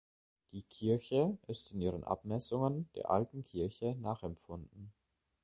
Die Kirche ist in ihren Abmessungen der alten Kirche nachempfunden.